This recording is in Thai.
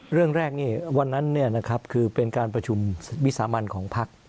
เรื่องแรกนี่วันนั้นเนี่ยนะครับคือเป็นการประชุมวิสามัญของพรรค